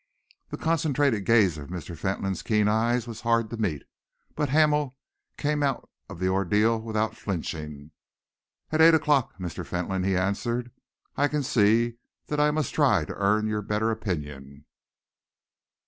The concentrated gaze of Mr. Fentolin's keen eyes was hard to meet, but Hamel came out of the ordeal without flinching. "At eight o'clock, Mr. Fentolin," he answered. "I can see that I must try to earn your better opinion."